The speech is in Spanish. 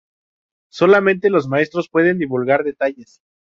Solamente los maestros pueden divulgar detalles.